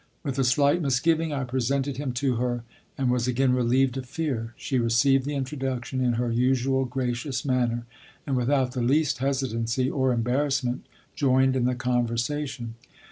With a slight misgiving I presented him to her and was again relieved of fear. She received the introduction in her usual gracious manner, and without the least hesitancy or embarrassment joined in the conversation.